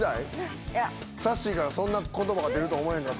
さっしーからそんな言葉が出るとは思わへんかった。